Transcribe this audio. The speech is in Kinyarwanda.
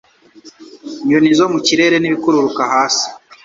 nyoni zo mu kirere n’ibikururuka hasi